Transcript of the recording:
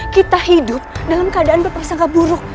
kita hidup dalam keadaan berpersangka buruk